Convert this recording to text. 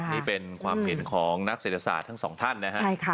นี่เป็นความเห็นของนักเศรษฐศาสตร์ทั้งสองท่านนะฮะ